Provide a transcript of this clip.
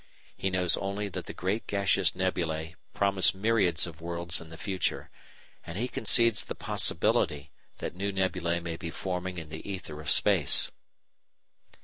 He knows only that the great gaseous nebulæ promise myriads of worlds in the future, and he concedes the possibility that new nebulæ may be forming in the ether of space.